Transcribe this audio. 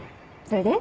それで？